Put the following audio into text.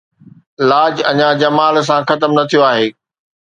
لاج اڃا جمال سان ختم نه ٿيو آهي